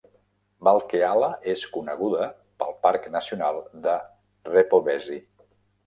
Valkeala és coneguda pel parc nacional de Repovesi.